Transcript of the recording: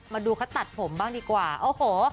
มาดูเขาตัดผมบ้างดีกว่าโอ้โห